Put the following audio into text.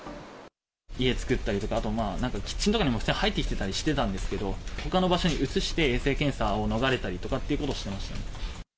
家作ったりとか、あと、キッチンとかには入ってきてたりしてたんですけど、ほかの場所に移して、衛生検査を逃れたりっていうことをしてましたね。